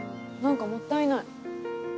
何かもったいない。